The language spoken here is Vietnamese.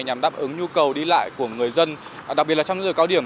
nhằm đáp ứng nhu cầu đi lại của người dân đặc biệt là trong những giờ cao điểm